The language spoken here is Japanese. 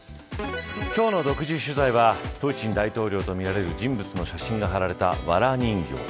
今日の独自取材はプーチン大統領とみられる人物の写真が貼られたわら人形。